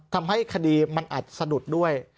ทำให้คดีมันอาจสะดุดด้วย